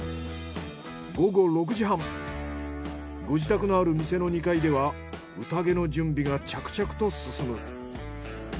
ご自宅のある店の２階では宴の準備が着々と進む。